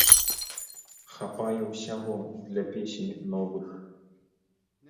Хапае ўсяго для песень новых.